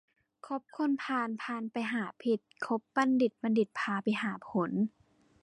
คบคนพาลพาลพาไปหาผิด คบบัณฑิตบัณฑิตพาไปหาผล